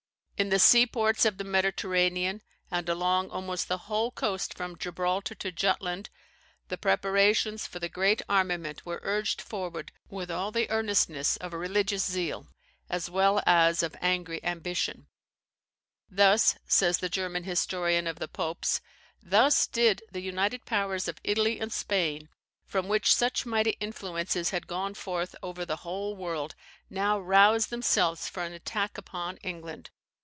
In the sea ports of the Mediterranean, and along almost the whole coast from Gibraltar to Jutland, the preparations for the great armament were urged forward with all the earnestness of religious zeal, as well as of angry ambition. "Thus," says the German historian of the Popes, [Ranke, vol ii. p. 172.] "thus did the united powers of Italy and Spain, from which such mighty influences had gone forth over the whole world, now rouse themselves for an attack upon England!